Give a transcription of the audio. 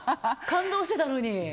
感動してたのに。